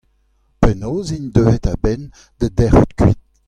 Penaos int deuet a-benn da dec'hout kuit ?